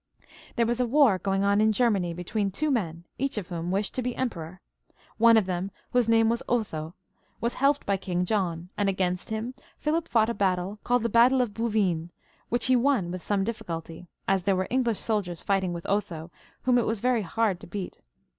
There was a war going on in Germany between two men, each of whom wished to be emperor. One of them, whose name was Otho, was helped by King John, and against him Philip fought a battle, called the battle of Bouvines, which he won with some difficulty, as there were English soldiers fighting with Otho, whom it was very hard to beat.